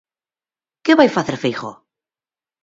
Que vai facer Feijóo?